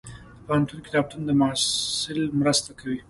د پوهنتون کتابتون د محصل مرسته کوي.